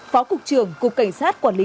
phó cục trưởng cục cảnh sát quản lý